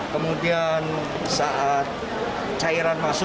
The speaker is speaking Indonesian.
kemudian saat cairan masuk